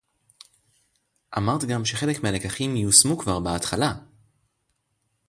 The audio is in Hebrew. אמרת גם שחלק מהלקחים יושמו כבר בהתחלה